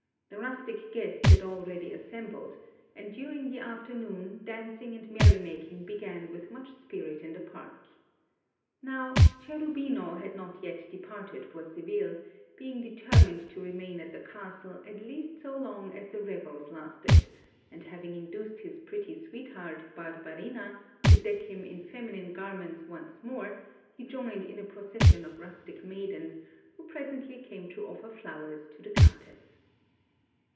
The rustic guests had already assembled, and during the afternoon dancing and merry making began with much spirit in the park. Now, Cherubino had not yet departed for Seville, being determined to remain at the Castle at least so long as the revels lasted; and having induced his pretty sweetheart, Barbarina, to deck him in feminine garments once more, he joined in a procession of rustic maidens, who presently came to offer flowers to the Countess.